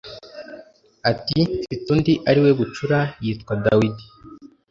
ati mfite undi ari we bucura Yitwa Dawidi